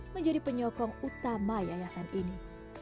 menjadi penyokong utama yayasan ini